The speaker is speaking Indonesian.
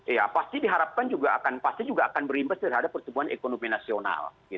ya pasti diharapkan juga akan berimbas terhadap pertumbuhan ekonomi nasional